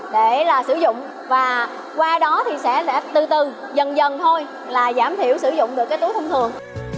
để là sử dụng và qua đó thì sẽ từ từ dần dần thôi là giảm thiểu sử dụng được cái túi thông thường